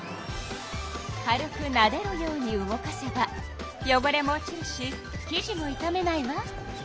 軽くなでるように動かせばよごれも落ちるしきじもいためないわ。